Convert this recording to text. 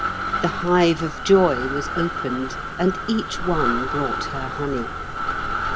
The hive of joy was opened, and each one brought her honey.